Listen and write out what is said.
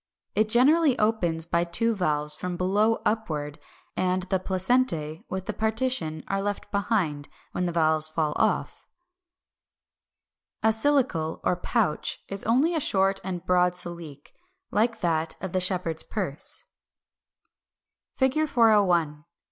It generally opens by two valves from below upward, and the placentæ with the partition are left behind when the valves fall off. 375. =A Silicle or Pouch= is only a short and broad silique, like that of the Shepherd's Purse, Fig. 402, 403. [Illustration: Fig. 401.